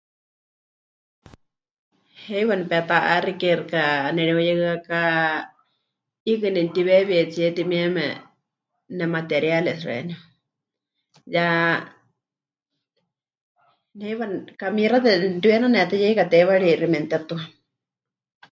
Heiwa nepeta'axike xɨka nereuyehɨaká 'iikɨ nemɨtiweewietsie timieme, nemateriales xeeníu, ya heiwa kamixate nepɨtiuyenanetɨyeika teiwarixi memɨtetua.